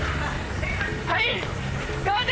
はい！